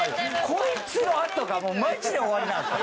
こいつのあとがマジで終わりなんですよ。